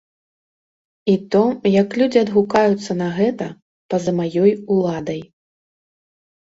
І то, як людзі адгукаюцца на гэта, па-за маёй уладай.